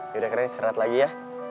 yaudah keren seret lagi ya